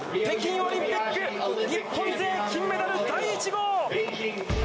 北京オリンピック日本勢、金メダル第１号！